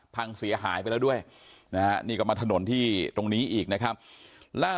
พังเสียหายไปแล้วด้วยนะฮะนี่ก็มาถนนที่ตรงนี้อีกนะครับล่า